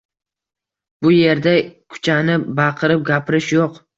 Bu erda kuchanib, baqirib gapirish yo‘q.